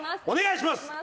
お願いします！